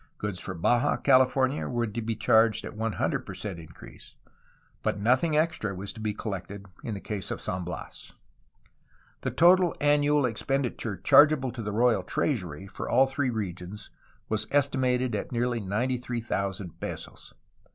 Goods for Baja California were to be charged at 100 per cent increase, but nothing extra was to be collected in the case of San Bias. The total annual expenditure chargeable to the royal treasury for all three regions was estimated at nearly 93,000 pesos.